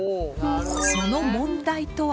その問題とは。